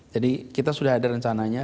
kita sudah ada rencananya